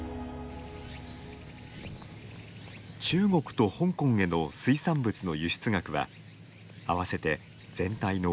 中国と香港への水産物の輸出額は合わせて、全体のおよそ４割。